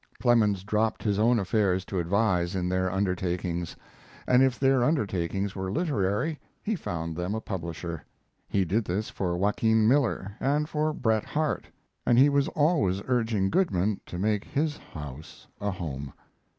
Clemens dropped his own affairs to advise in their undertakings; and if their undertakings were literary he found them a publisher. He did this for Joaquin Miller and for Bret Harte, and he was always urging Goodman to make his house a home.